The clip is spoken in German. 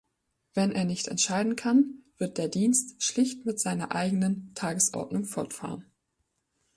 Wenn er nicht entscheiden kann, wird der Dienst schlicht mit seiner eigenen Tagesordnung fortfahren.